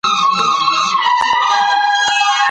اوبه له ډبرو سره لګېږي او شور جوړوي.